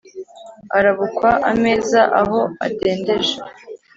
Arabukwa ameza aho adendeje: